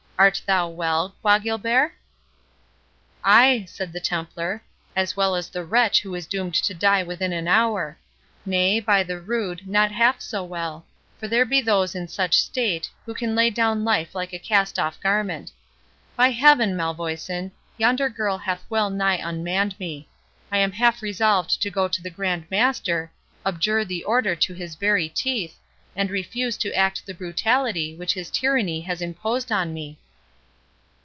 Art thou well, Bois Guilbert?" "Ay," answered the Templar, "as well as the wretch who is doomed to die within an hour.—Nay, by the rood, not half so well—for there be those in such state, who can lay down life like a cast off garment. By Heaven, Malvoisin, yonder girl hath well nigh unmanned me. I am half resolved to go to the Grand Master, abjure the Order to his very teeth, and refuse to act the brutality which his tyranny has imposed on me."